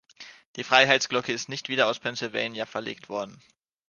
Die Freiheitsglocke ist nicht wieder aus Pennsylvania verlegt worden.